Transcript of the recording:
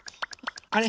あれ？